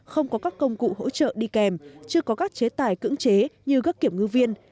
không có các công cụ hỗ trợ đi kèm chưa có các chế tài cưỡng chế như các kiểm ngư viên